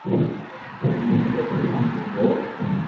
تموني نو ڀگوان مون ڀوھ